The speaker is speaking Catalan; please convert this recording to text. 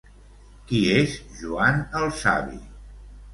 Qui és Joan el Savi?